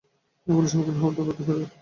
এগুলির সম্মুখীন হও, তবেই তাহারা পলাইবে।